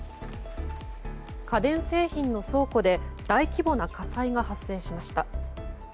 家電製品の倉庫で大規模な火災が発生しました。